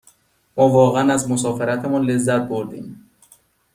ما واقعاً از مسافرتمان لذت بردیم.